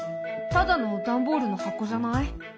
ただのダンボールの箱じゃない？